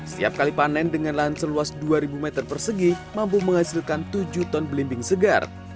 setiap kali panen dengan lahan seluas dua ribu meter persegi mampu menghasilkan tujuh ton belimbing segar